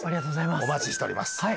お待ちしております。